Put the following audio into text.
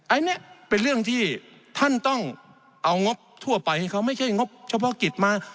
อันนี้เป็นเรื่องที่ท่านต้องเอางบทั่วไปให้เขาไม่ใช่งบเฉพาะกิจมา